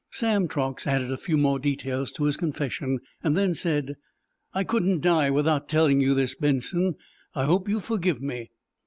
Sam Truax added a few more details to his confession, then said: "I couldn't die without telling you this, Benson. I hope you forgive me."